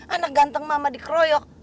anak ganteng mama dikeroyok